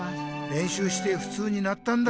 れんしゅうしてふつうになったんだ！